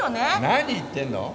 何言ってるの！